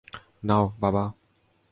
নাও, বাবা!